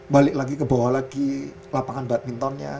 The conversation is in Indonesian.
balik lagi ke bawah lagi lapangan badmintonnya